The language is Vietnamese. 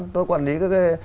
tôi quản lý các cái